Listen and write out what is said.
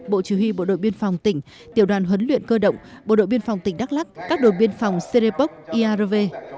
bộ chủ huy bộ đội biên phòng tỉnh tiểu đoàn huấn luyện cơ động bộ đội biên phòng tỉnh đắk lắc các đội biên phòng serebog iarv